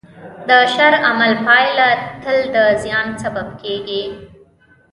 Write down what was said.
د شر عمل پایله تل د زیان سبب کېږي.